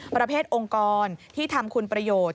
ประเภทองค์กรที่ทำคุณประโยชน์